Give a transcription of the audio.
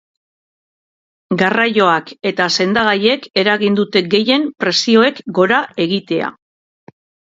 Garraioak eta sendagaiek eragin dute gehien prezioek gora egitea.